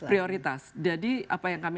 prioritas jadi apa yang kami